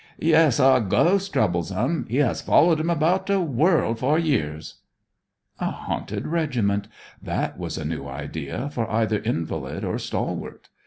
Yes a ghost troubles 'em; he has followed 'em about the world for years.' A haunted regiment: that was a new idea for either invalid or stalwart.